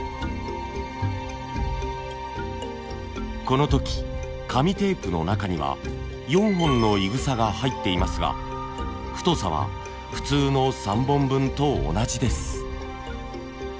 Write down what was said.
この時紙テープの中には４本のいぐさが入っていますが太さは普通の３本分と同じです。